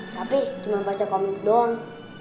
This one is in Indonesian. tapi cuma baca komik doang